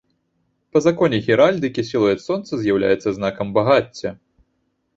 Па законе геральдыкі, сілуэт сонца з'яўляецца знакам багацця.